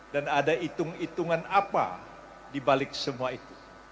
dan ada hitung hitungan apa dibalik semua itu